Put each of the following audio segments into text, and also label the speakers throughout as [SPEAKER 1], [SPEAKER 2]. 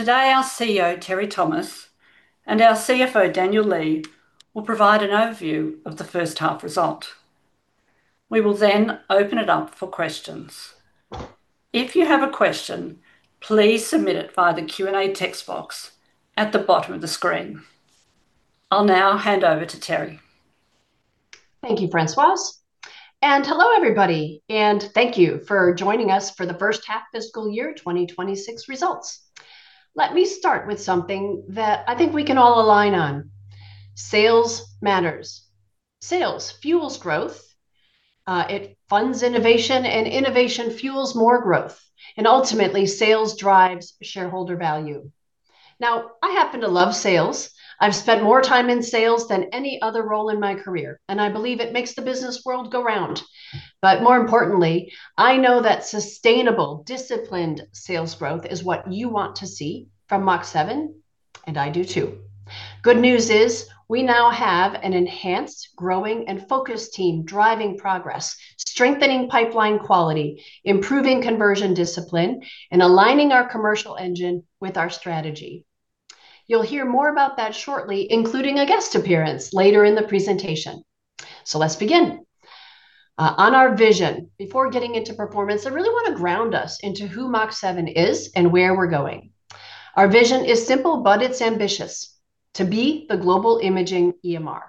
[SPEAKER 1] Today our CEO, Teri Thomas, and our CFO, Daniel Lee, will provide an overview of the first half result. We will open it up for questions. If you have a question, please submit it via the Q&A text box at the bottom of the screen. I'll now hand over to Teri.
[SPEAKER 2] Thank you, Françoise. Hello everybody, and thank you for joining us for the first half fiscal year 2026 results. Let me start with something that I think we can all align on. Sales matters. Sales fuels growth, it funds innovation, and innovation fuels more growth. Ultimately, sales drives shareholder value. Now, I happen to love sales. I've spent more time in sales than any other role in my career, and I believe it makes the business world go round. More importantly, I know that sustainable, disciplined sales growth is what you want to see from Mach7, and I do too. Good news is, we now have an enhanced, growing, and focused team driving progress, strengthening pipeline quality, improving conversion discipline, and aligning our commercial engine with our strategy. You'll hear more about that shortly, including a guest appearance later in the presentation. Let's begin. On our vision, before getting into performance, I really wanna ground us into who Mach7 is and where we're going. Our vision is simple, but it's ambitious: to be the global Imaging EMR.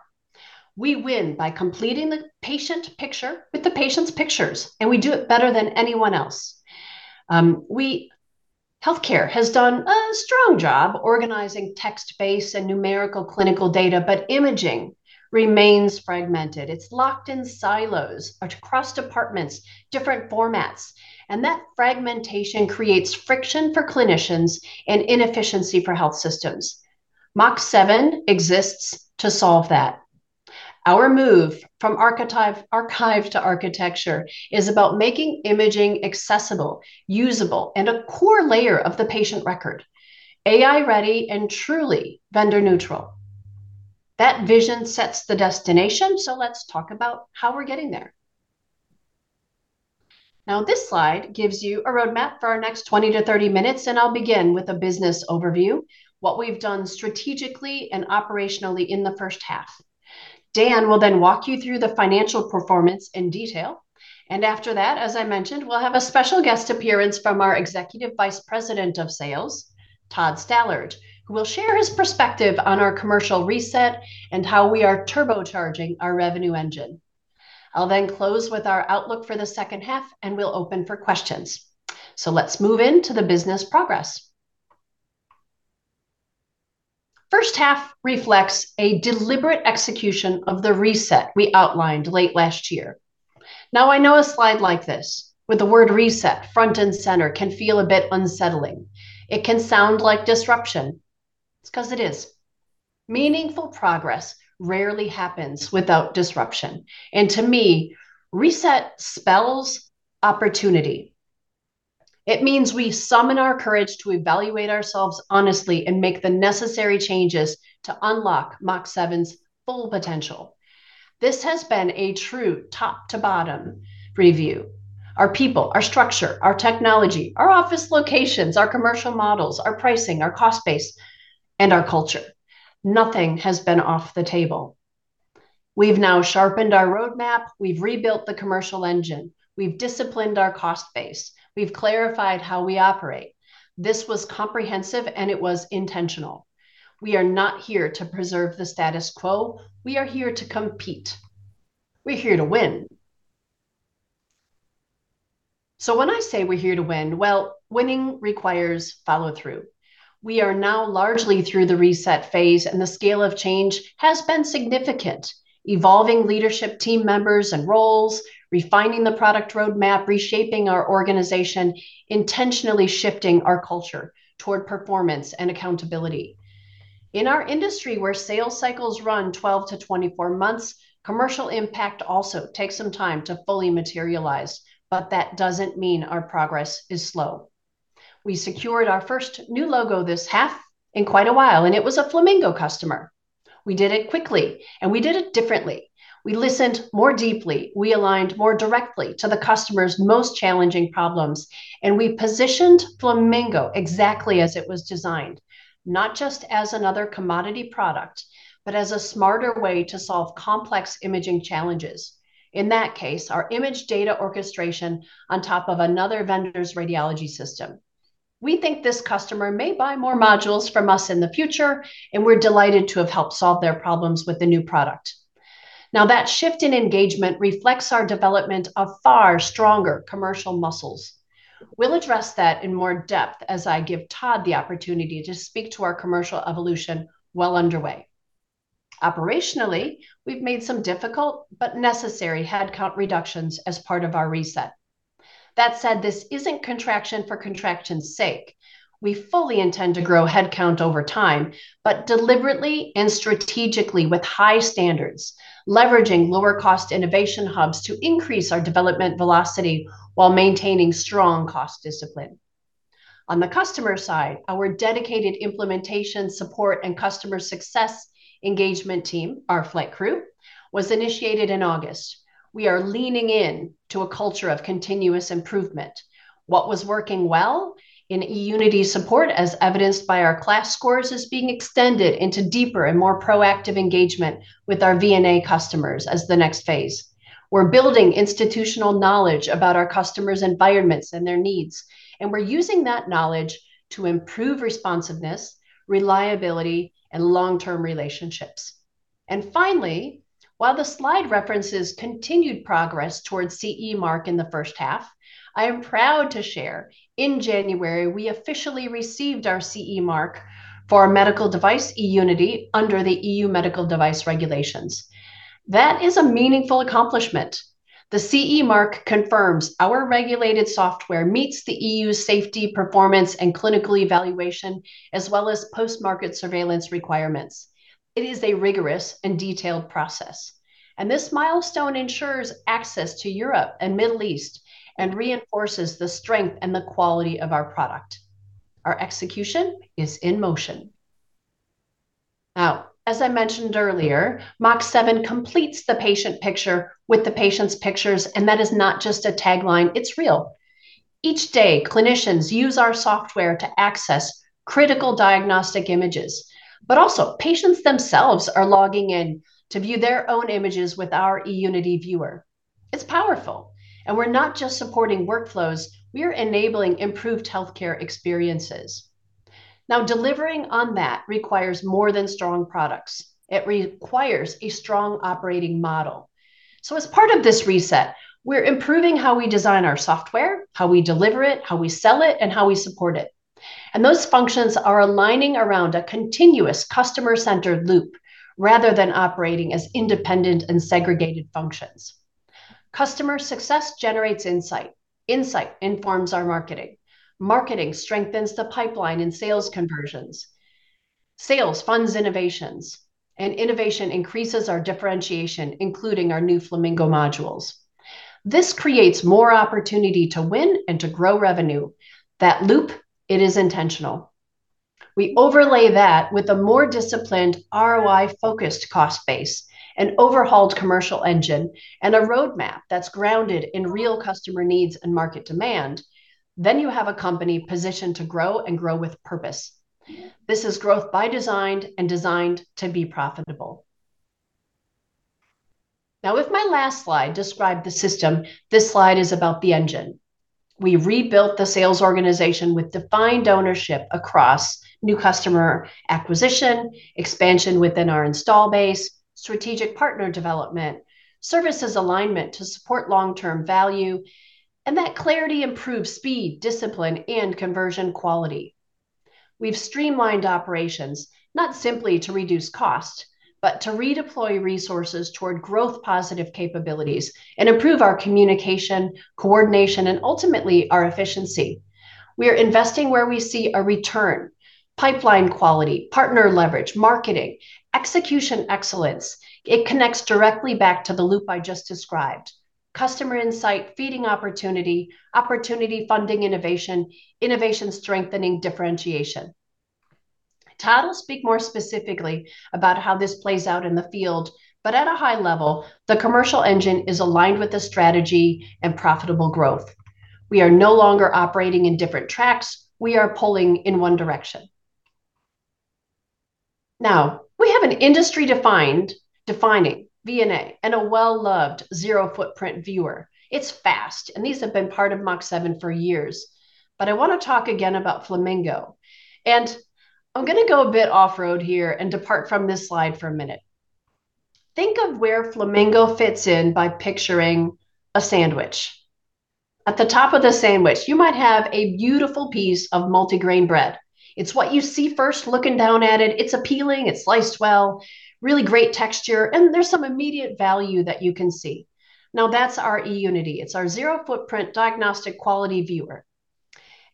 [SPEAKER 2] We win by completing the patient picture with the patient's pictures, we do it better than anyone else. Healthcare has done a strong job organizing text-based and numerical clinical data, imaging remains fragmented. It's locked in silos or across departments, different formats. That fragmentation creates friction for clinicians and inefficiency for health systems. Mach7 exists to solve that. Our move from archive to architecture is about making imaging accessible, usable, and a core layer of the patient record, AI-ready and truly vendor neutral. That vision sets the destination, let's talk about how we're getting there. This slide gives you a roadmap for our next 20-30 minutes, and I'll begin with a business overview, what we've done strategically and operationally in the first half. Dan will then walk you through the financial performance in detail. After that, as I mentioned, we'll have a special guest appearance from our Executive Vice President of Sales, Todd Stallard, who will share his perspective on our commercial reset and how we are turbocharging our revenue engine. I'll then close with our outlook for the second half, and we'll open for questions. Let's move into the business progress. First half reflects a deliberate execution of the reset we outlined late last year. I know a slide like this, with the word reset front and center, can feel a bit unsettling. It can sound like disruption. It's because it is. Meaningful progress rarely happens without disruption. To me, reset spells opportunity. It means we summon our courage to evaluate ourselves honestly and make the necessary changes to unlock Mach7's full potential. This has been a true top to bottom review. Our people, our structure, our technology, our office locations, our commercial models, our pricing, our cost base, and our culture. Nothing has been off the table. We've now sharpened our roadmap, we've rebuilt the commercial engine, we've disciplined our cost base, we've clarified how we operate. This was comprehensive, and it was intentional. We are not here to preserve the status quo. We are here to compete. We're here to win. When I say we're here to win, well, winning requires follow-through. We are now largely through the reset phase, and the scale of change has been significant. Evolving leadership team members and roles, refining the product roadmap, reshaping our organization, intentionally shifting our culture toward performance and accountability. In our industry, where sales cycles run 12-24 months, commercial impact also takes some time to fully materialize. That doesn't mean our progress is slow. We secured our first new logo this half in quite a while, and it was a Flamingo customer. We did it quickly, and we did it differently. We listened more deeply, we aligned more directly to the customer's most challenging problems, and we positioned Flamingo exactly as it was designed. Not just as another commodity product, but as a smarter way to solve complex imaging challenges. In that case, our image data orchestration on top of another vendor's radiology system. We think this customer may buy more modules from us in the future, we're delighted to have helped solve their problems with the new product. That shift in engagement reflects our development of far stronger commercial muscles. We'll address that in more depth as I give Todd the opportunity to speak to our commercial evolution well underway. Operationally, we've made some difficult but necessary headcount reductions as part of our reset. That said, this isn't contraction for contraction's sake. We fully intend to grow headcount over time, but deliberately and strategically with high standards, leveraging lower cost innovation hubs to increase our development velocity while maintaining strong cost discipline. On the customer side, our dedicated implementation, support, and customer success engagement team, our Flight Crew, was initiated in August. We are leaning in to a culture of continuous improvement. What was working well in eUnity support, as evidenced by our KLAS scores, is being extended into deeper and more proactive engagement with our VNA customers as the next phase. We're building institutional knowledge about our customers' environments and their needs, and we're using that knowledge to improve responsiveness, reliability, and long-term relationships. Finally, while the slide references continued progress towards CE mark in the first half, I am proud to share, in January, we officially received our CE mark for our medical device, eUnity, under the EU Medical Device Regulation. That is a meaningful accomplishment. The CE mark confirms our regulated software meets the EU's safety, performance, and clinical evaluation, as well as post-market surveillance requirements. It is a rigorous and detailed process, and this milestone ensures access to Europe and Middle East, and reinforces the strength and the quality of our product. Our execution is in motion. As I mentioned earlier, Mach7 completes the patient picture with the patient's pictures, and that is not just a tagline, it's real. Each day, clinicians use our software to access critical diagnostic images, but also patients themselves are logging in to view their own images with our eUnity viewer. It's powerful, and we're not just supporting workflows, we are enabling improved healthcare experiences. Delivering on that requires more than strong products. It requires a strong operating model. As part of this reset, we're improving how we design our software, how we deliver it, how we sell it, and how we support it. Those functions are aligning around a continuous customer-centered loop, rather than operating as independent and segregated functions. Customer success generates insight. Insight informs our marketing. Marketing strengthens the pipeline and sales conversions. Sales funds innovations, and innovation increases our differentiation, including our new Flamingo modules. This creates more opportunity to win and to grow revenue. That loop, it is intentional. We overlay that with a more disciplined, ROI-focused cost base, an overhauled commercial engine, and a roadmap that's grounded in real customer needs and market demand. You have a company positioned to grow and grow with purpose. This is growth by design and designed to be profitable. If my last slide described the system, this slide is about the engine. We rebuilt the sales organization with defined ownership across new customer acquisition, expansion within our install base, strategic partner development, services alignment to support long-term value, and that clarity improves speed, discipline, and conversion quality. We've streamlined operations, not simply to reduce cost, but to redeploy resources toward growth-positive capabilities and improve our communication, coordination, and ultimately, our efficiency. We are investing where we see a return: pipeline quality, partner leverage, marketing, execution excellence. It connects directly back to the loop I just described. Customer insight, feeding opportunity funding innovation strengthening differentiation. Todd will speak more specifically about how this plays out in the field, but at a high level, the commercial engine is aligned with the strategy and profitable growth. We are no longer operating in different tracks. We are pulling in one direction. Now, we have an industry-defining VNA and a well-loved zero-footprint viewer. It's fast, and these have been part of Mach7 for years. I want to talk again about Flamingo, and I'm gonna go a bit off-road here and depart from this slide for a minute. Think of where Flamingo fits in by picturing a sandwich. At the top of the sandwich, you might have a beautiful piece of multigrain bread. It's what you see first looking down at it. It's appealing, it's sliced well, really great texture, and there's some immediate value that you can see. That's our eUnity. It's our zero-footprint diagnostic quality viewer.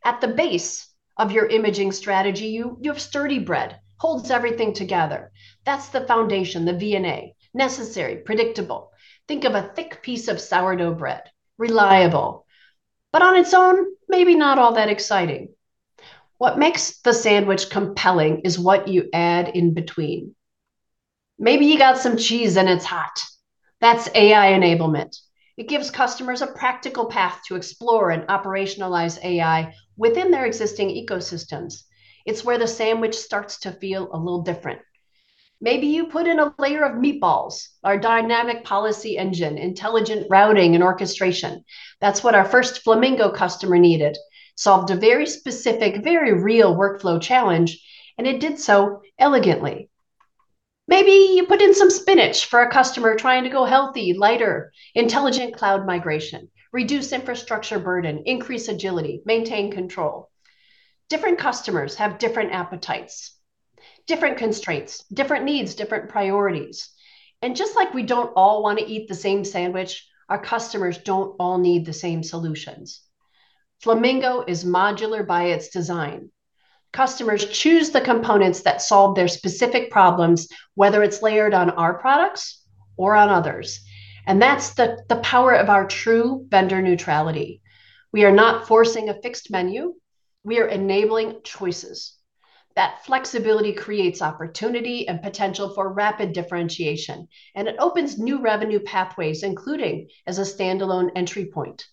[SPEAKER 2] At the base of your imaging strategy, you have sturdy bread, holds everything together. That's the foundation, the VNA, necessary, predictable. Think of a thick piece of sourdough bread, reliable, but on its own, maybe not all that exciting. What makes the sandwich compelling is what you add in between. Maybe you got some cheese and it's hot. That's AI enablement. It gives customers a practical path to explore and operationalize AI within their existing ecosystems. It's where the sandwich starts to feel a little different. Maybe you put in a layer of meatballs, our dynamic policy engine, intelligent routing, and orchestration. That's what our first Flamingo customer needed. Solved a very specific, very real workflow challenge, and it did so elegantly. Maybe you put in some spinach for a customer trying to go healthy, lighter, intelligent cloud migration, reduce infrastructure burden, increase agility, maintain control. Different customers have different appetites, different constraints, different needs, different priorities. Just like we don't all want to eat the same sandwich, our customers don't all need the same solutions. Flamingo is modular by its design. Customers choose the components that solve their specific problems, whether it's layered on our products or on others. That's the power of our true vendor neutrality. We are not forcing a fixed menu. We are enabling choices. That flexibility creates opportunity and potential for rapid differentiation, and it opens new revenue pathways, including as a standalone entry point.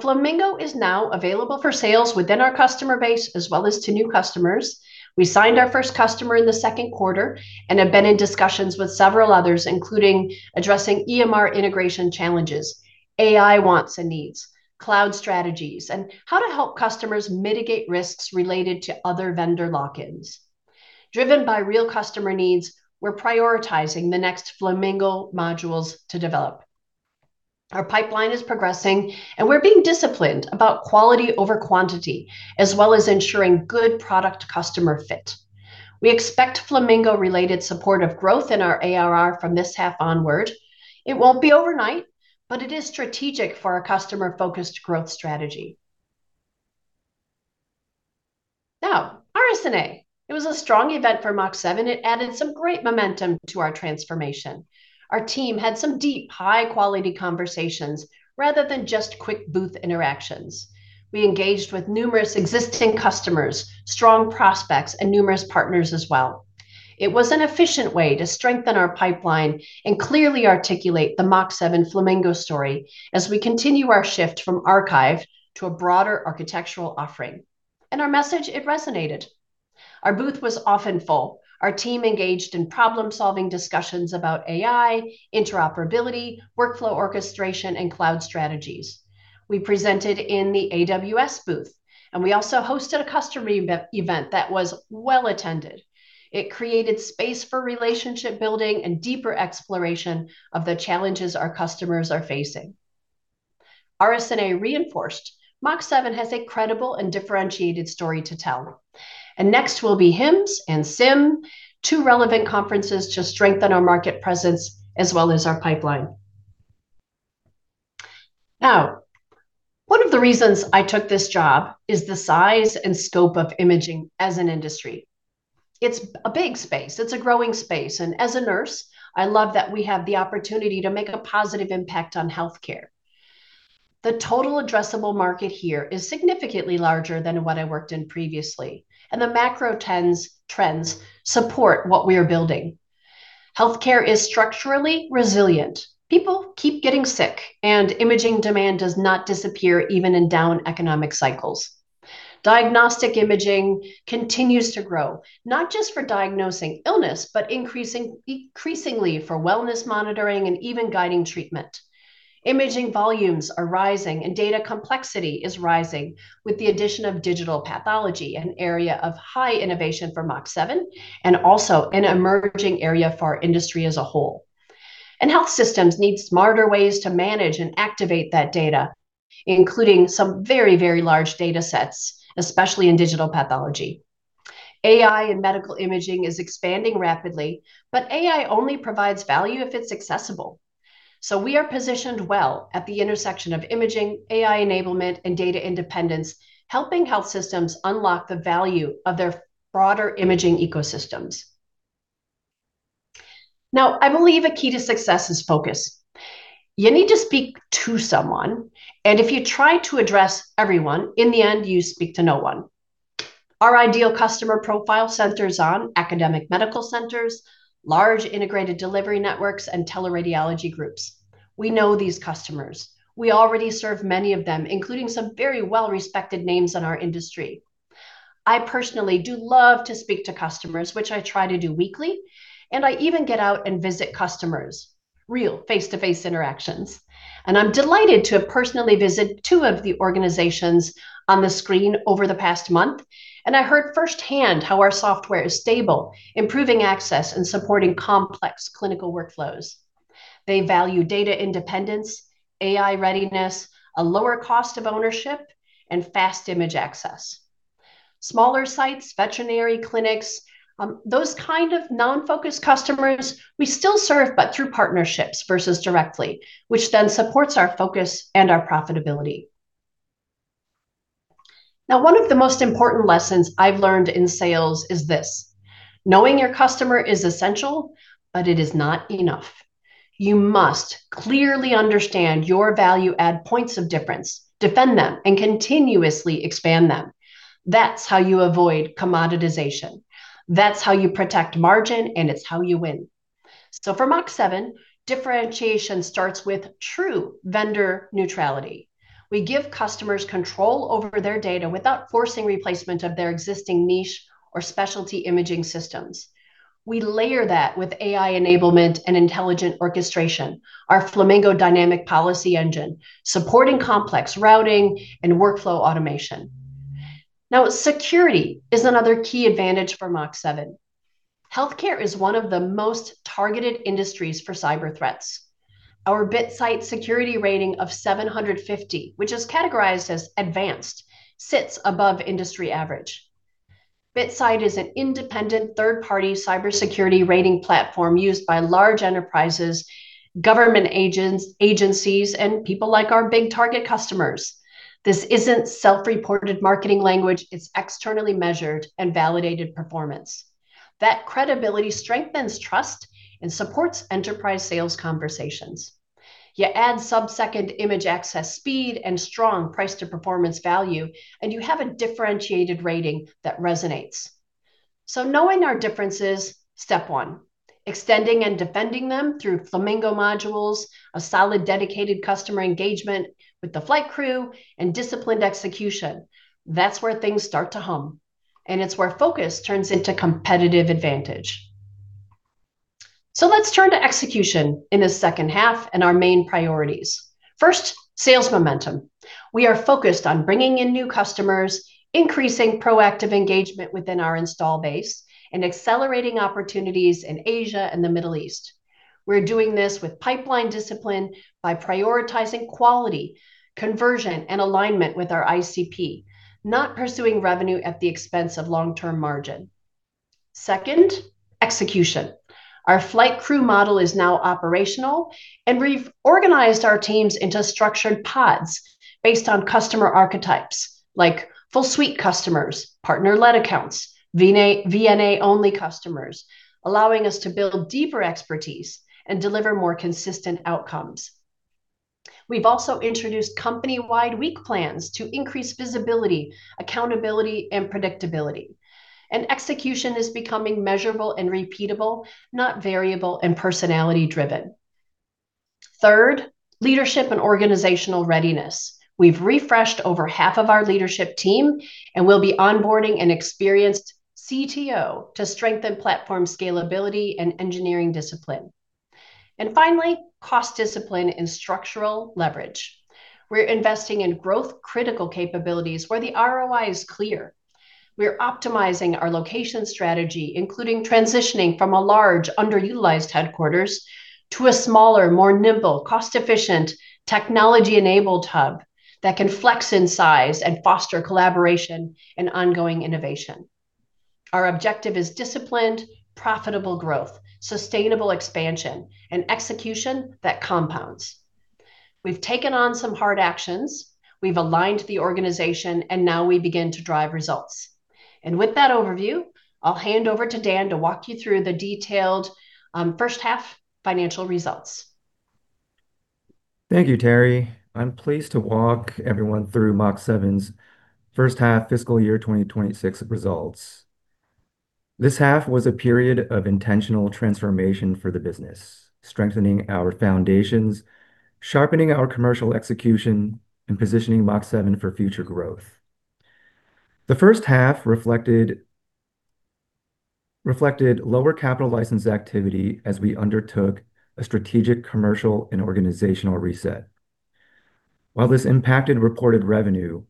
[SPEAKER 2] Flamingo is now available for sales within our customer base as well as to new customers. We signed our first customer in the second quarter and have been in discussions with several others, including addressing EMR integration challenges, AI wants and needs, cloud strategies, and how to help customers mitigate risks related to other vendor lock-ins. Driven by real customer needs, we're prioritizing the next Flamingo modules to develop. Our pipeline is progressing, and we're being disciplined about quality over quantity, as well as ensuring good product customer fit. We expect Flamingo-related supportive growth in our ARR from this half onward. It won't be overnight, but it is strategic for our customer-focused growth strategy. RSNA. It was a strong event for Mach7. It added some great momentum to our transformation. Our team had some deep, high-quality conversations rather than just quick booth interactions. We engaged with numerous existing customers, strong prospects, and numerous partners as well. It was an efficient way to strengthen our pipeline and clearly articulate the Mach7 Flamingo story as we continue our shift from archive to a broader architectural offering. Our message, it resonated. Our booth was often full. Our team engaged in problem-solving discussions about AI, interoperability, workflow orchestration, and cloud strategies. We presented in the AWS booth, and we also hosted a customer event that was well-attended. It created space for relationship building and deeper exploration of the challenges our customers are facing. RSNA reinforced Mach7 has a credible and differentiated story to tell. Next will be HIMSS and SIIM, two relevant conferences to strengthen our market presence as well as our pipeline. One of the reasons I took this job is the size and scope of imaging as an industry. It's a big space. It's a growing space. As a nurse, I love that we have the opportunity to make a positive impact on healthcare. The total addressable market here is significantly larger than what I worked in previously, and the macro trends support what we are building. Healthcare is structurally resilient. People keep getting sick, and imaging demand does not disappear even in down economic cycles. Diagnostic imaging continues to grow, not just for diagnosing illness, but increasingly for wellness monitoring and even guiding treatment. Imaging volumes are rising, and data complexity is rising with the addition of digital pathology, an area of high innovation for Mach7, and also an emerging area for our industry as a whole. Health systems need smarter ways to manage and activate that data, including some very, very large data sets, especially in digital pathology. AI in medical imaging is expanding rapidly, but AI only provides value if it's accessible. We are positioned well at the intersection of imaging, AI enablement, and data independence, helping health systems unlock the value of their broader imaging ecosystems. I believe a key to success is focus. You need to speak to someone, and if you try to address everyone, in the end, you speak to no one. Our ideal customer profile centers on academic medical centers, large integrated delivery networks, and teleradiology groups. We know these customers. We already serve many of them, including some very well-respected names in our industry. I personally do love to speak to customers, which I try to do weekly, and I even get out and visit customers, real face-to-face interactions. I'm delighted to have personally visit two of the organizations on the screen over the past month. I heard firsthand how our software is stable, improving access, and supporting complex clinical workflows. They value data independence, AI readiness, a lower cost of ownership, and fast image access. Smaller sites, veterinary clinics, those kind of non-focused customers, we still serve, but through partnerships versus directly, which then supports our focus and our profitability. One of the most important lessons I've learned in sales is this. Knowing your customer is essential, but it is not enough. You must clearly understand your value add points of difference, defend them, and continuously expand them. That's how you avoid commoditization. That's how you protect margin, and it's how you win. For Mach7, differentiation starts with true vendor neutrality. We give customers control over their data without forcing replacement of their existing niche or specialty imaging systems. We layer that with AI enablement and intelligent orchestration, our Flamingo dynamic policy engine, supporting complex routing and workflow automation. Security is another key advantage for Mach7. Healthcare is one of the most targeted industries for cyber threats. Our Bitsight security rating of 750, which is categorized as advanced, sits above industry average. Bitsight is an independent third-party cybersecurity rating platform used by large enterprises, government agencies, and people like our big target customers. This isn't self-reported marketing language, it's externally measured and validated performance. That credibility strengthens trust and supports enterprise sales conversations. You add sub-second image access speed and strong price-to-performance value, and you have a differentiated rating that resonates. Knowing our differences, step one. Extending and defending them through Flamingo modules, a solid dedicated customer engagement with the Flight Crew, and disciplined execution. That's where things start to hum, and it's where focus turns into competitive advantage. Let's turn to execution in the second half and our main priorities. First, sales momentum. We are focused on bringing in new customers, increasing proactive engagement within our install base, and accelerating opportunities in Asia and the Middle East. We're doing this with pipeline discipline by prioritizing quality, conversion, and alignment with our ICP, not pursuing revenue at the expense of long-term margin. Second, execution. Our Flight Crew model is now operational, and we've organized our teams into structured pods based on customer archetypes like full suite customers, partner-led accounts, VNA-only customers, allowing us to build deeper expertise and deliver more consistent outcomes. We've also introduced company-wide week plans to increase visibility, accountability, and predictability. Execution is becoming measurable and repeatable, not variable and personality-driven. Third, leadership and organizational readiness. We've refreshed over half of our leadership team, and we'll be onboarding an experienced CTO to strengthen platform scalability and engineering discipline. Finally, cost discipline and structural leverage. We're investing in growth-critical capabilities where the ROI is clear. We're optimizing our location strategy, including transitioning from a large, underutilized headquarters to a smaller, more nimble, cost-efficient, technology-enabled hub that can flex in size and foster collaboration and ongoing innovation. Our objective is disciplined, profitable growth, sustainable expansion, and execution that compounds. We've taken on some hard actions, we've aligned the organization, and now we begin to drive results. With that overview, I'll hand over to Dan to walk you through the detailed first half financial results.
[SPEAKER 3] Thank you, Teri. I'm pleased to walk everyone through Mach7's first half fiscal year 2026 results. This half was a period of intentional transformation for the business, strengthening our foundations, sharpening our commercial execution, and positioning Mach7 for future growth. The first half reflected lower capital license activity as we undertook a strategic commercial and organizational reset. This impacted reported revenue,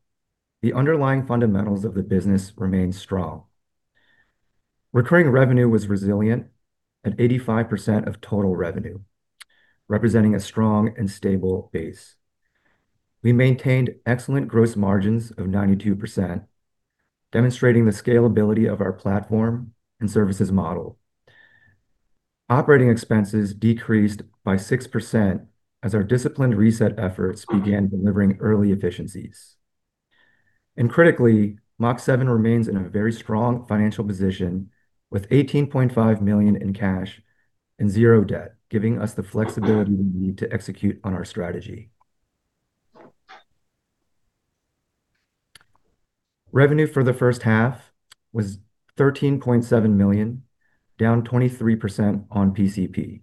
[SPEAKER 3] the underlying fundamentals of the business remained strong. Recurring revenue was resilient at 85% of total revenue, representing a strong and stable base. We maintained excellent gross margins of 92%, demonstrating the scalability of our platform and services model. Operating expenses decreased by 6% as our disciplined reset efforts began delivering early efficiencies. Critically, Mach7 remains in a very strong financial position with 18.5 million in cash and zero debt, giving us the flexibility we need to execute on our strategy. Revenue for the first half was 13.7 million, down 23% on PCP.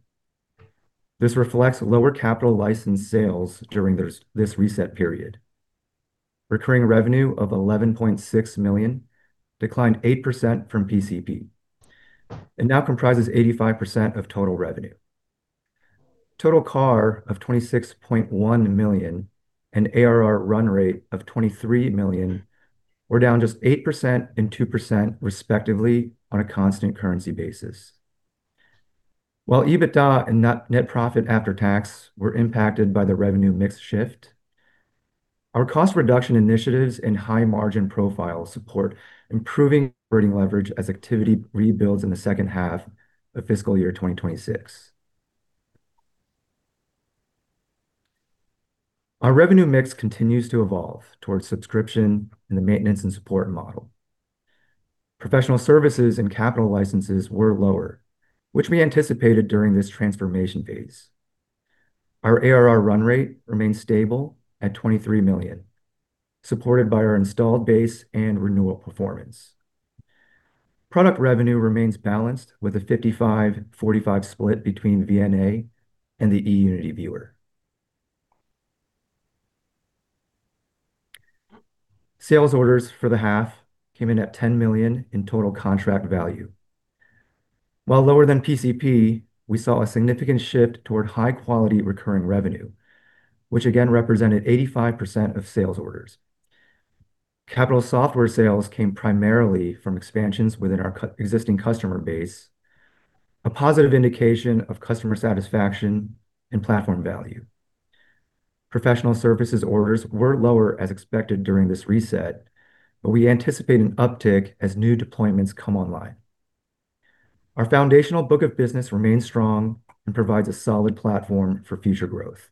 [SPEAKER 3] This reflects lower capital license sales during this reset period. Recurring revenue of 11.6 million declined 8% from PCP and now comprises 85% of total revenue. Total CAR of 26.1 million and ARR run rate of 23 million were down just 8% and 2% respectively on a constant currency basis. EBITDA and net profit after tax were impacted by the revenue mix shift, our cost reduction initiatives and high margin profiles support improving leverage as activity rebuilds in the second half of fiscal year 2026. Our revenue mix continues to evolve towards subscription and the maintenance and support model. Professional services and capital licenses were lower, which we anticipated during this transformation phase. Our ARR run rate remains stable at 23 million, supported by our installed base and renewal performance. Product revenue remains balanced with a 55-45 split between VNA and the eUnity Viewer. Sales orders for the half came in at 10 million in total contract value. While lower than PCP, we saw a significant shift toward high-quality recurring revenue, which again represented 85% of sales orders. Capital software sales came primarily from expansions within our existing customer base, a positive indication of customer satisfaction and platform value. Professional services orders were lower as expected during this reset, but we anticipate an uptick as new deployments come online. Our foundational book of business remains strong and provides a solid platform for future growth.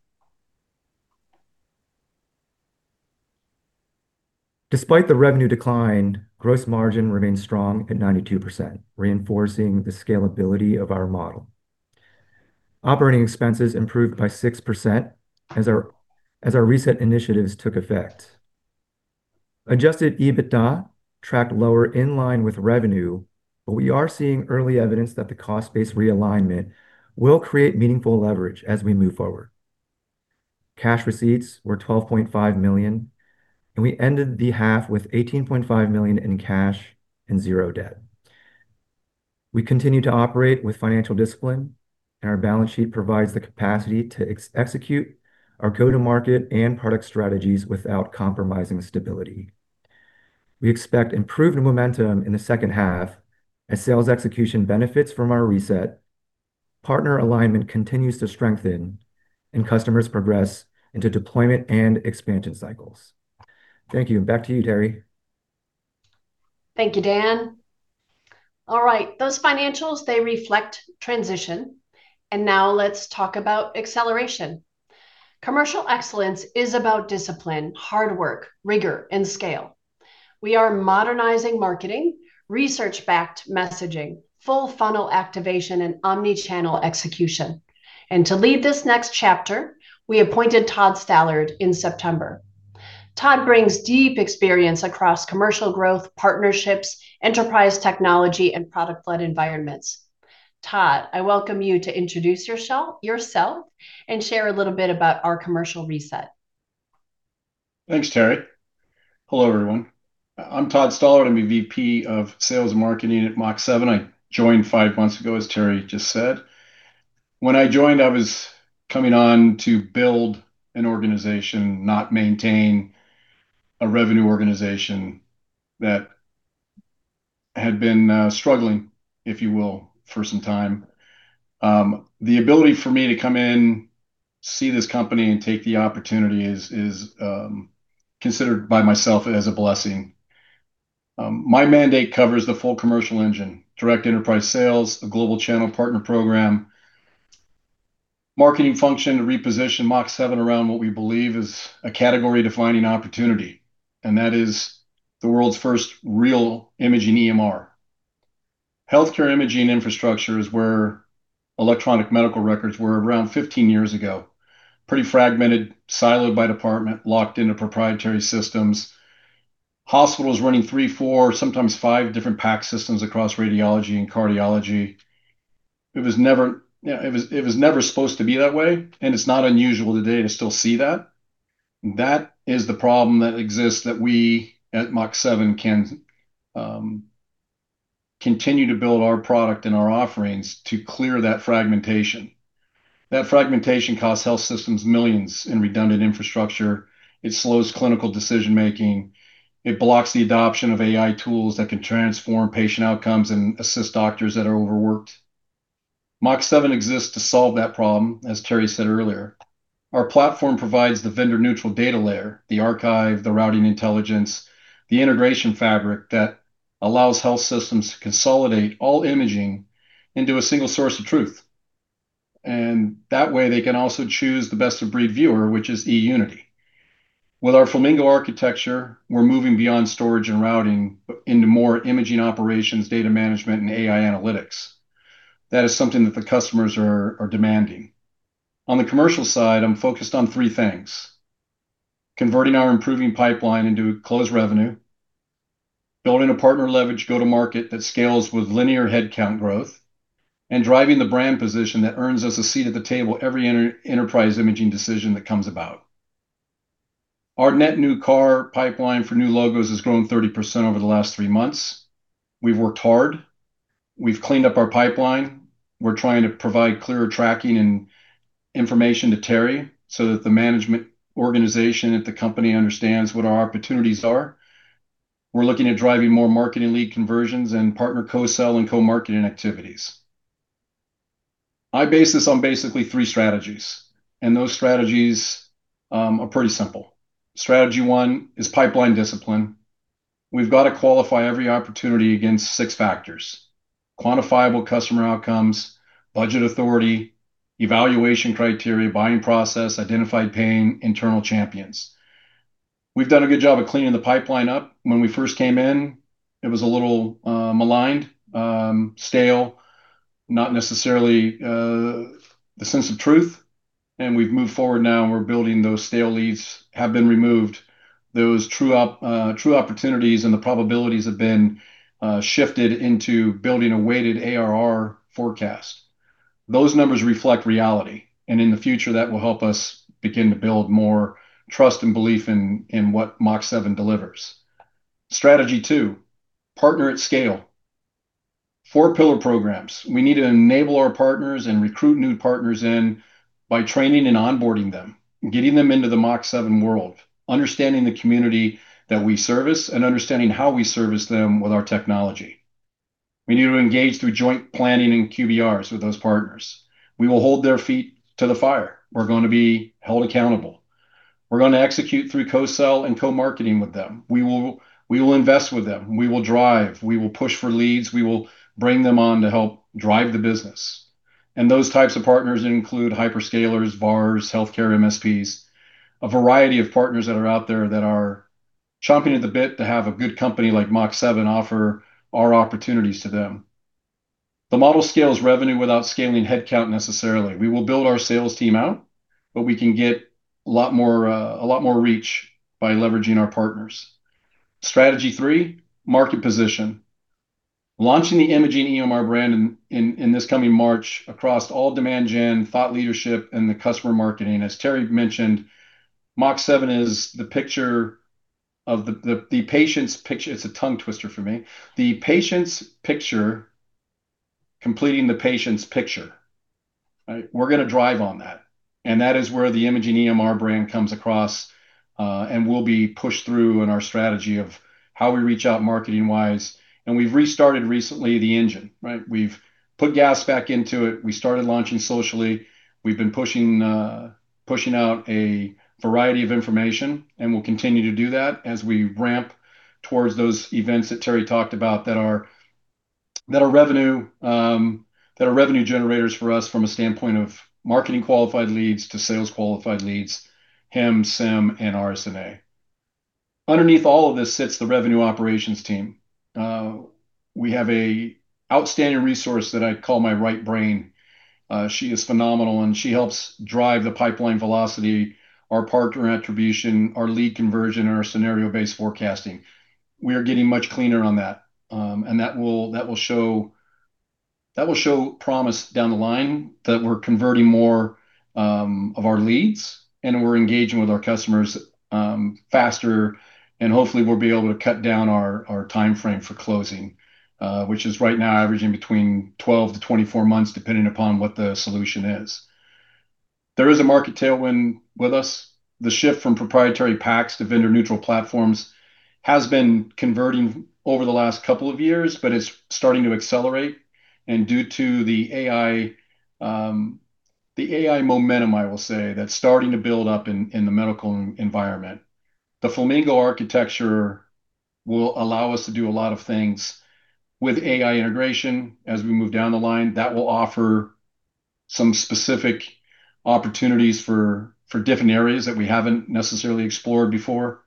[SPEAKER 3] Despite the revenue decline, gross margin remains strong at 92%, reinforcing the scalability of our model. Operating expenses improved by 6% as our recent initiatives took effect. Adjusted EBITDA tracked lower in line with revenue, but we are seeing early evidence that the cost-based realignment will create meaningful leverage as we move forward. Cash receipts were 12.5 million, and we ended the half with 18.5 million in cash and zero debt. We continue to operate with financial discipline, and our balance sheet provides the capacity to execute our go-to-market and product strategies without compromising stability. We expect improved momentum in the second half as sales execution benefits from our reset. Partner alignment continues to strengthen and customers progress into deployment and expansion cycles. Thank you. Back to you, Teri.
[SPEAKER 2] Thank you, Dan. All right. Those financials, they reflect transition. Now let's talk about acceleration. Commercial excellence is about discipline, hard work, rigor, and scale. We are modernizing marketing, research-backed messaging, full funnel activation, and omni-channel execution. To lead this next chapter, we appointed Todd Stallard in September. Todd brings deep experience across commercial growth, partnerships, enterprise technology, and product-led environments. Todd, I welcome you to introduce yourself and share a little bit about our commercial reset.
[SPEAKER 4] Thanks, Teri. Hello, everyone. I'm Todd Stallard. I'm a VP of Sales marketing at Mach7. I joined five months ago, as Teri just said. When I joined, I was coming on to build an organization, not maintain a revenue organization that had been struggling, if you will, for some time. The ability for me to come in, see this company and take the opportunity is considered by myself as a blessing. My mandate covers the full commercial engine, direct enterprise sales, a global channel partner program, marketing function to reposition Mach7 around what we believe is a category-defining opportunity. That is the world's first real imaging EMR. Healthcare imaging infrastructure is where electronic medical records were around 15 years ago. Pretty fragmented, siloed by department, locked into proprietary systems. Hospitals running three, four, sometimes five different PACS systems across radiology and cardiology. It was never, it was never supposed to be that way, and it's not unusual today to still see that. That is the problem that exists that we at Mach7 can continue to build our product and our offerings to clear that fragmentation. That fragmentation costs health systems millions in redundant infrastructure. It slows clinical decision-making. It blocks the adoption of AI tools that can transform patient outcomes and assist doctors that are overworked. Mach7 exists to solve that problem, as Teri said earlier. Our platform provides the vendor-neutral data layer, the archive, the routing intelligence, the integration fabric that allows health systems to consolidate all imaging into a single source of truth. That way, they can also choose the best of breed viewer, which is eUnity. With our Flamingo architecture, we're moving beyond storage and routing into more imaging operations, data management, and AI analytics. That is something that the customers are demanding. On the commercial side, I'm focused on three things: converting our improving pipeline into closed revenue, building a partner leverage go-to-market that scales with linear headcount growth, and driving the brand position that earns us a seat at the table every enterprise imaging decision that comes about. Our net new CAR pipeline for new logos has grown 30% over the last three months. We've worked hard. We've cleaned up our pipeline. We're trying to provide clearer tracking and information to Teri so that the management organization at the company understands what our opportunities are. We're looking at driving more marketing lead conversions and partner co-sell and co-marketing activities. I base this on basically three strategies. Those strategies are pretty simple. Strategy one is pipeline discipline. We've got to qualify every opportunity against six factors: quantifiable customer outcomes, budget authority, evaluation criteria, buying process, identified pain, internal champions. We've done a good job of cleaning the pipeline up. When we first came in, it was a little maligned, stale, not necessarily the sense of truth. We've moved forward now, and we're building those stale leads have been removed. Those true opportunities and the probabilities have been shifted into building a weighted ARR forecast. Those numbers reflect reality, and in the future, that will help us begin to build more trust and belief in what Mach7 delivers. Strategy two, partner at scale. 4-pillar programs. We need to enable our partners and recruit new partners in by training and onboarding them, getting them into the Mach7 world, understanding the community that we service, and understanding how we service them with our technology. We need to engage through joint planning and QBRs with those partners. We will hold their feet to the fire. We're going to be held accountable. We're going to execute through co-sell and co-marketing with them. We will invest with them. We will drive, we will push for leads. We will bring them on to help drive the business. Those types of partners include hyperscalers, VARs, healthcare MSPs, a variety of partners that are out there that are chomping at the bit to have a good company like Mach7 offer our opportunities to them. The model scales revenue without scaling headcount necessarily. We will build our sales team out, but we can get a lot more reach by leveraging our partners. Strategy three, market position. Launching the Imaging EMR brand in this coming March across all demand gen, thought leadership, and the customer marketing. As Teri mentioned, Mach7 is the picture of the patient's picture... It's a tongue twister for me. Completing the patient's picture, right? We're going to drive on that, and that is where the Imaging EMR brand comes across, and will be pushed through in our strategy of how we reach out marketing-wise. We've restarted recently the engine, right? We've put gas back into it. We started launching socially. We've been pushing out a variety of information. We'll continue to do that as we ramp towards those events that Teri talked about that are revenue, that are revenue generators for us from a standpoint of marketing qualified leads to sales qualified leads, HIMSS, SIIM, and RSNA. Underneath all of this sits the revenue operations team. We have a outstanding resource that I call my right brain. She is phenomenal, and she helps drive the pipeline velocity, our partner attribution, our lead conversion, and our scenario-based forecasting. We are getting much cleaner on that, and that will show promise down the line that we're converting more of our leads, and we're engaging with our customers faster, and hopefully, we'll be able to cut down our time frame for closing, which is right now averaging between 12-24 months, depending upon what the solution is. There is a market tailwind with us. The shift from proprietary PACS to vendor-neutral platforms has been converting over the last couple of years, but it's starting to accelerate, and due to the AI, the AI momentum, I will say, that's starting to build up in the medical environment. The Flamingo architecture will allow us to do a lot of things with AI integration as we move down the line. That will offer some specific opportunities for different areas that we haven't necessarily explored before.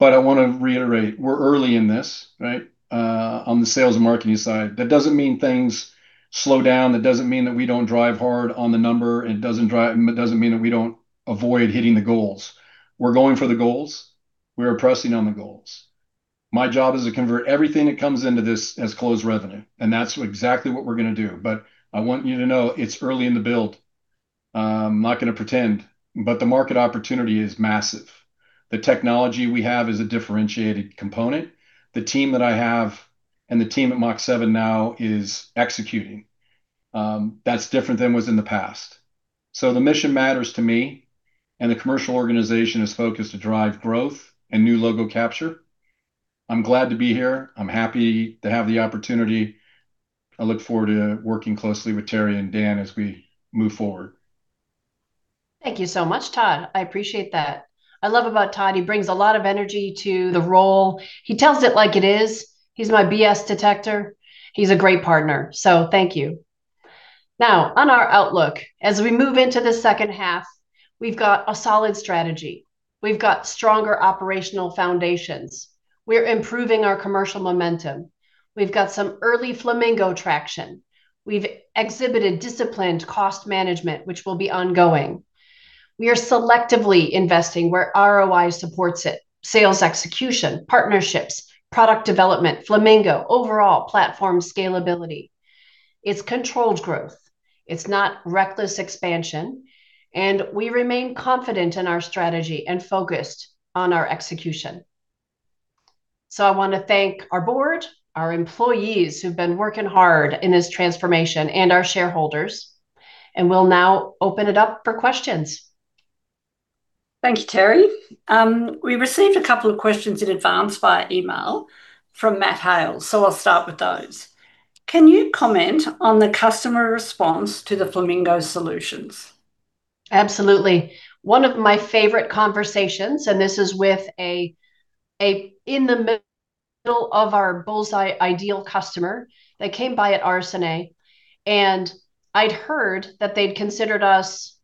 [SPEAKER 4] I want to reiterate, we're early in this, right, on the sales and marketing side. That doesn't mean things slow down. That doesn't mean that we don't drive hard on the number, and it doesn't mean that we don't avoid hitting the goals. We're going for the goals. We're pressing on the goals. My job is to convert everything that comes into this as closed revenue, and that's exactly what we're going to do. I want you to know it's early in the build. I'm not going to pretend, the market opportunity is massive. The technology we have is a differentiated component. The team that I have, and the team at Mach7 now, is executing. That's different than was in the past. The mission matters to me, and the commercial organization is focused to drive growth and new logo capture. I'm glad to be here. I'm happy to have the opportunity. I look forward to working closely with Teri and Daniel as we move forward.
[SPEAKER 2] Thank you so much, Todd. I appreciate that. I love about Todd, he brings a lot of energy to the role. He tells it like it is. He's my BS detector. He's a great partner. Thank you. On our outlook, as we move into the second half, we've got a solid strategy. We've got stronger operational foundations. We're improving our commercial momentum. We've got some early Flamingo traction. We've exhibited disciplined cost management, which will be ongoing. We are selectively investing where ROI supports it, sales execution, partnerships, product development, Flamingo, overall platform scalability. It's controlled growth, it's not reckless expansion. We remain confident in our strategy and focused on our execution. I want to thank our board, our employees, who've been working hard in this transformation, and our shareholders. We'll now open it up for questions.
[SPEAKER 1] Thank you, Teri. We received a couple of questions in advance via email from Matt Hales, so I'll start with those. Can you comment on the customer response to the Flamingo solutions?
[SPEAKER 2] Absolutely. One of my favorite conversations, this is with a in the middle of our bull's-eye ideal customer that came by at RSNA. I'd heard that they'd considered us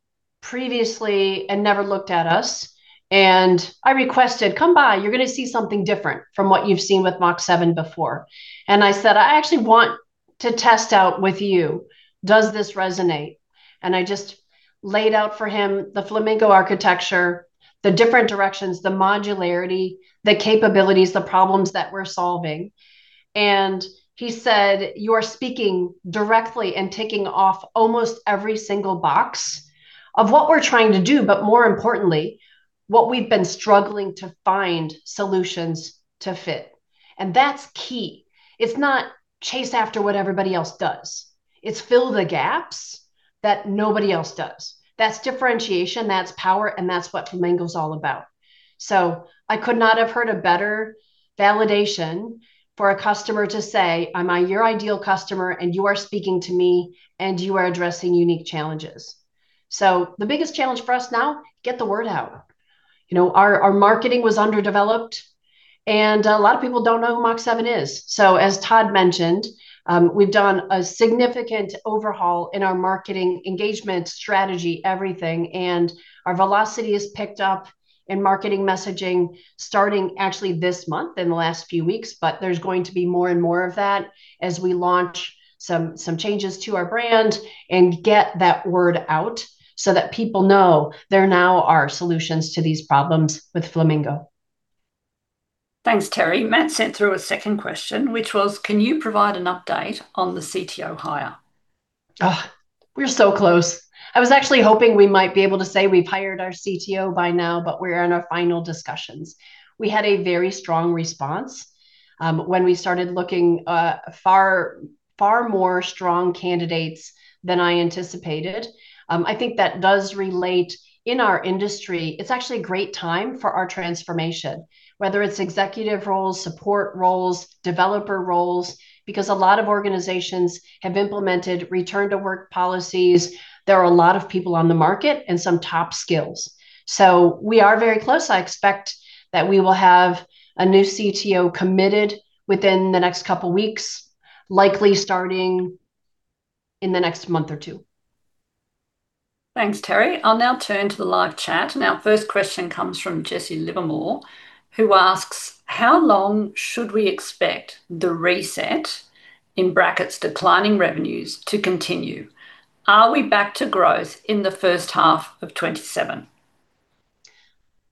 [SPEAKER 2] previously and never looked at us, and I requested, "Come by, you're going to see something different from what you've seen with Mach7 before." I said, "I actually want to test out with you, does this resonate? I just laid out for him the Flamingo architecture, the different directions, the modularity, the capabilities, the problems that we're solving. He said, "You're speaking directly and ticking off almost every single box of what we're trying to do, more importantly, what we've been struggling to find solutions to fit." That's key. It's not chase after what everybody else does. It's fill the gaps that nobody else does. That's differentiation, that's power, and that's what Flamingo's all about. I could not have heard a better validation for a customer to say, "I'm your ideal customer, and you are speaking to me, and you are addressing unique challenges." The biggest challenge for us now, get the word out. You know, our marketing was underdeveloped, and a lot of people don't know who Mach7 is. As Todd mentioned, we've done a significant overhaul in our marketing engagement strategy, everything, and our velocity has picked up in marketing messaging starting actually this month, in the last few weeks. There's going to be more and more of that as we launch some changes to our brand and get that word out so that people know there now are solutions to these problems with Flamingo.
[SPEAKER 1] Thanks, Teri. Matt sent through a second question, which was, can you provide an update on the CTO hire?
[SPEAKER 2] Ugh. We're so close. I was actually hoping we might be able to say we've hired our CTO by now. We're in our final discussions. We had a very strong response when we started looking, far more strong candidates than I anticipated. I think that does relate in our industry. It's actually a great time for our transformation, whether it's executive roles, support roles, developer roles. A lot of organizations have implemented return to work policies, there are a lot of people on the market and some top skills. We are very close. I expect that we will have a new CTO committed within the next couple weeks, likely starting in the next month or two.
[SPEAKER 1] Thanks, Teri. Our first question comes from Jesse Livermore, who asks, "How long should we expect the reset, in brackets declining revenues, to continue? Are we back to growth in the first half of 2027?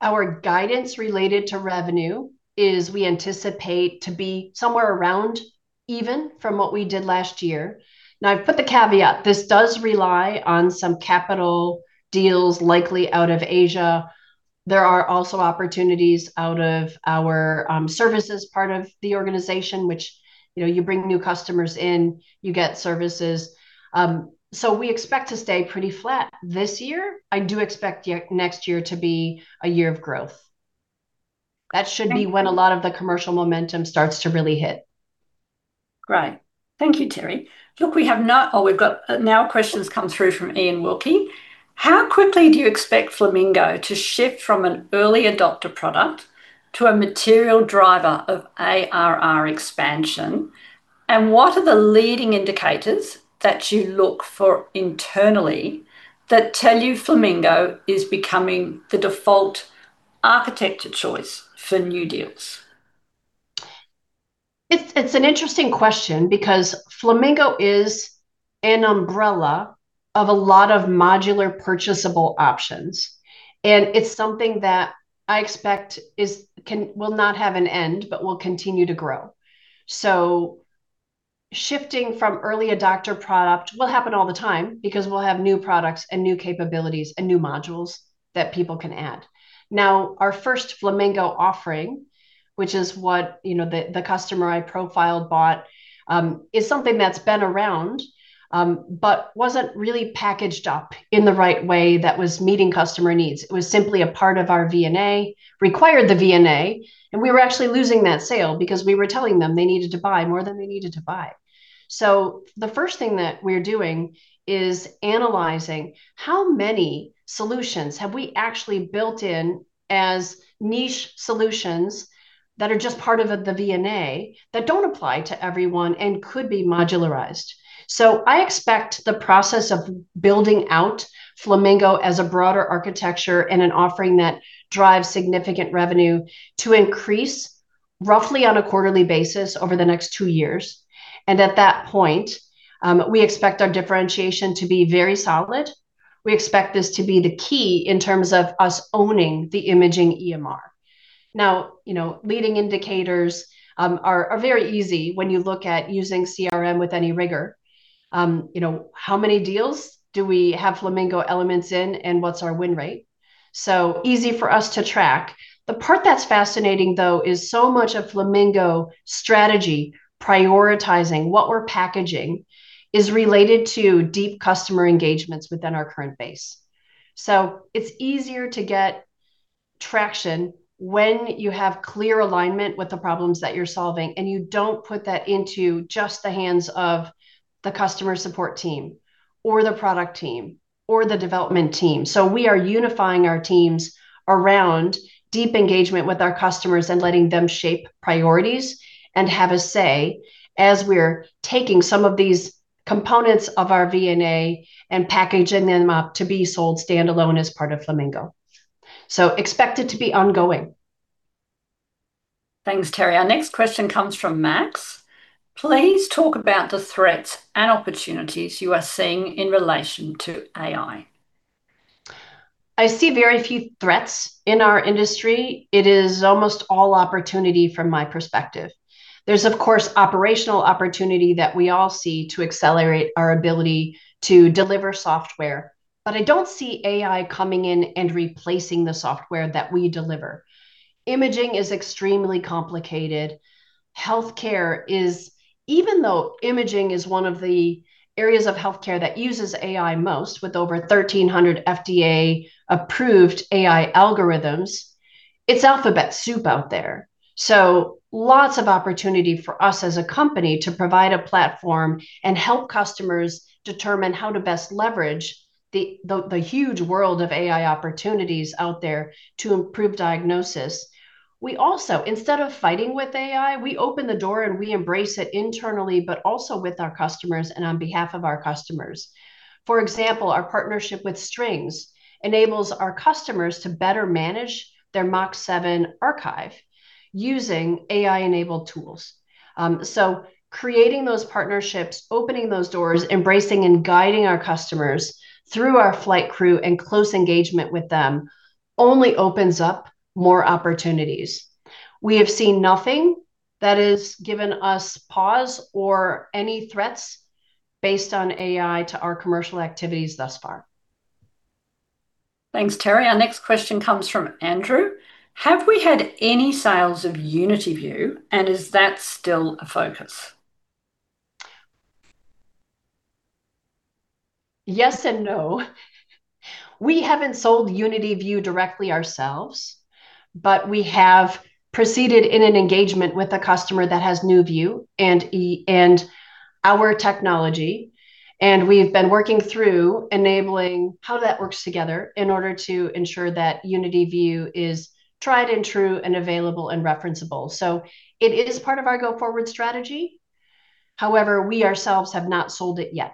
[SPEAKER 2] Our guidance related to revenue is we anticipate to be somewhere around even from what we did last year. I've put the caveat, this does rely on some capital deals likely out of Asia. There are also opportunities out of our services part of the organization, which, you know, you bring new customers in, you get services. We expect to stay pretty flat this year. I do expect next year to be a year of growth. That should be when a lot of the commercial momentum starts to really hit.
[SPEAKER 1] Great. Thank you, Teri. Look, we've got now a question's come through from Ian Wilkie. How quickly do you expect Flamingo to shift from an early adopter product to a material driver of ARR expansion? What are the leading indicators that you look for internally that tell you Flamingo is becoming the default architecture choice for new deals?
[SPEAKER 2] It's an interesting question because Flamingo is an umbrella of a lot of modular purchasable options, and it's something that I expect will not have an end, but will continue to grow. Shifting from early adopter product will happen all the time because we'll have new products and new capabilities and new modules that people can add. Our first Flamingo offering, which is what, you know, the customer I profiled bought, is something that's been around, but wasn't really packaged up in the right way that was meeting customer needs. It was simply a part of our VNA, required the VNA, and we were actually losing that sale because we were telling them they needed to buy more than they needed to buy. The first thing that we're doing is analyzing how many solutions have we actually built in as niche solutions that are just part of the VNA that don't apply to everyone and could be modularized. I expect the process of building out Flamingo as a broader architecture and an offering that drives significant revenue to increase roughly on a quarterly basis over the next two years. At that point, we expect our differentiation to be very solid. We expect this to be the key in terms of us owning the Imaging EMR. Now, you know, leading indicators are very easy when you look at using CRM with any rigor. you know, how many deals do we have Flamingo elements in, and what's our win rate? Easy for us to track. The part that's fascinating though is so much of Flamingo strategy prioritizing what we're packaging is related to deep customer engagements within our current base. It's easier to get traction when you have clear alignment with the problems that you're solving, and you don't put that into just the hands of the customer support team or the product team or the development team. We are unifying our teams around deep engagement with our customers and letting them shape priorities and have a say as we're taking some of these components of our VNA and packaging them up to be sold standalone as part of Flamingo. Expect it to be ongoing.
[SPEAKER 1] Thanks, Teri. Our next question comes from Max. Please talk about the threats and opportunities you are seeing in relation to AI.
[SPEAKER 2] I see very few threats in our industry. It is almost all opportunity from my perspective. There's of course operational opportunity that we all see to accelerate our ability to deliver software. I don't see AI coming in and replacing the software that we deliver. Imaging is extremely complicated. Healthcare. Even though imaging is one of the areas of healthcare that uses AI most, with over 1,300 FDA-approved AI algorithms, it's alphabet soup out there. Lots of opportunity for us as a company to provide a platform and help customers determine how to best leverage the huge world of AI opportunities out there to improve diagnosis. We also, instead of fighting with AI, we open the door and we embrace it internally, but also with our customers and on behalf of our customers. For example, our partnership with Strings enables our customers to better manage their Mach7 archive using AI-enabled tools. Creating those partnerships, opening those doors, embracing and guiding our customers through our Flight Crew and close engagement with them only opens up more opportunities. We have seen nothing that has given us pause or any threats based on AI to our commercial activities thus far.
[SPEAKER 1] Thanks, Teri. Our next question comes from Andrew. Have we had any sales of UnityVue, and is that still a focus?
[SPEAKER 2] Yes, no. We haven't sold UnityVue directly ourselves, but we have proceeded in an engagement with a customer that has NewVue and e- and our technology, and we've been working through enabling how that works together in order to ensure that UnityVue is tried and true and available and referenceable. It is part of our go-forward strategy. However, we ourselves have not sold it yet.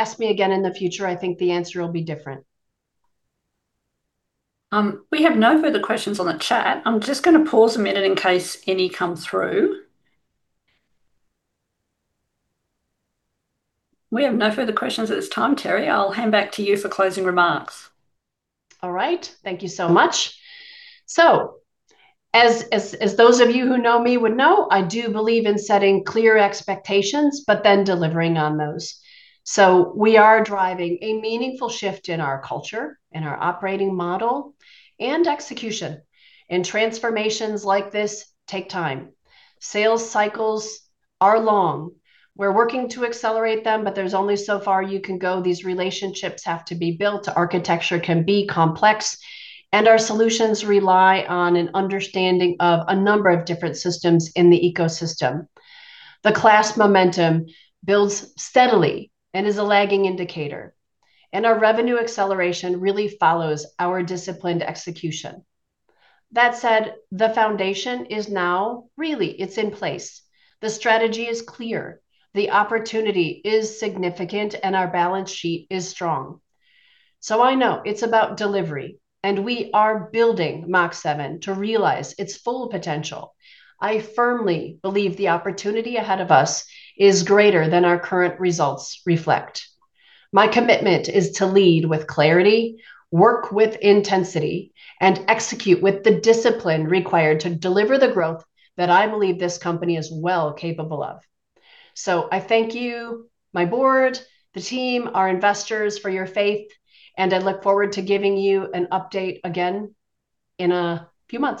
[SPEAKER 2] Ask me again in the future, I think the answer will be different.
[SPEAKER 1] We have no further questions on the chat. I'm just gonna pause a minute in case any come through. We have no further questions at this time, Teri. I'll hand back to you for closing remarks.
[SPEAKER 2] All right. Thank you so much. As those of you who know me would know, I do believe in setting clear expectations, but then delivering on those. We are driving a meaningful shift in our culture, in our operating model, and execution. Transformations like this take time. Sales cycles are long. We're working to accelerate them, but there's only so far you can go. These relationships have to be built. Architecture can be complex, and our solutions rely on an understanding of a number of different systems in the ecosystem. The KLAS momentum builds steadily and is a lagging indicator. Our revenue acceleration really follows our disciplined execution. That said, the foundation is now really, it's in place. The strategy is clear. The opportunity is significant, and our balance sheet is strong. I know it's about delivery, and we are building Mach7 to realize its full potential. I firmly believe the opportunity ahead of us is greater than our current results reflect. My commitment is to lead with clarity, work with intensity, and execute with the discipline required to deliver the growth that I believe this company is well capable of. I thank you, my board, the team, our investors, for your faith, and I look forward to giving you an update again in a few months